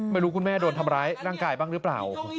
คุณแม่โดนทำร้ายร่างกายบ้างหรือเปล่า